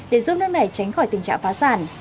để giúp nước này tránh khỏi tình trạng phá sản